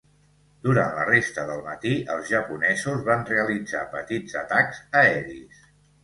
Durant la resta del matí, els japonesos van realitzar petits atacs aeris.